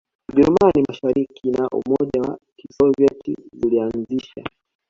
Ujerumani Mashariki na Umoja wa Kisovyeti zilianzisha